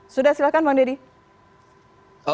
sudah silahkan bang deddy